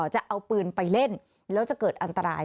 จะเอาปืนไปเล่นแล้วจะเกิดอันตราย